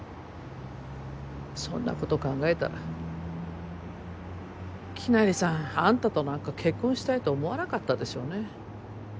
そんなこと考えたらきなりさんあんたとなんか結婚したいと思わなかったでしょうね。